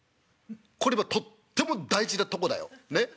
これ今とっても大事なとこだよねっ。